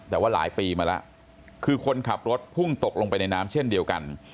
แต่ว่าหลายปีมาแล้วคือคนขับรถพุ่งตกลงไปในน้ำเช่นเดียวกัน